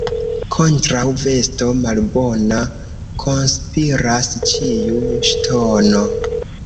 Kontraŭ vesto malbona konspiras ĉiu ŝtono.